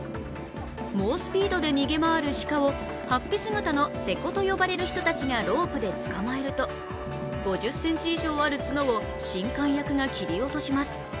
猛スピードで逃げ回る鹿を、法被姿のせこと呼ばれる人がロープで捕まえると５０ｃｍ以上あるつのを神官役が切り落とします。